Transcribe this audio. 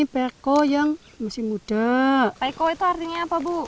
peko itu artinya apa bu